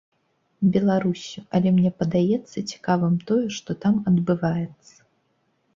Беларуссю, але мне падаецца цікавым тое, што там адбываецца.